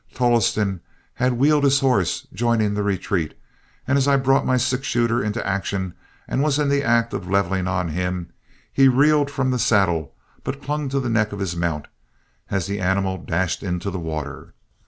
Tolleston had wheeled his horse, joining the retreat, and as I brought my six shooter into action and was in the act of leveling on him, he reeled from the saddle, but clung to the neck of his mount as the animal dashed into the water.